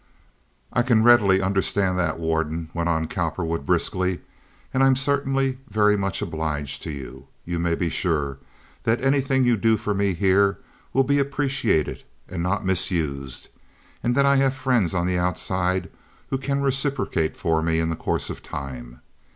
"I can readily understand that, Warden," went on Cowperwood briskly, "and I'm certainly very much obliged to you. You may be sure that anything you do for me here will be appreciated, and not misused, and that I have friends on the outside who can reciprocate for me in the course of time."